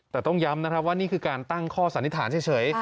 แต่ต้องย้ำนะครับว่านี่คือการตั้งข้อสันนิษฐานเฉย